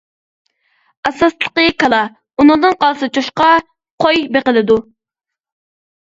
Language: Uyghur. ئاساسلىقى كالا، ئۇنىڭدىن قالسا چوشقا، قوي بېقىلىدۇ.